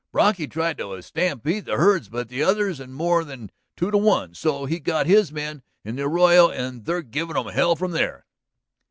Brocky tried to stampede the herds, but the others are more than two to one, so he got his men in the arroyo and they're giving 'em hell from there."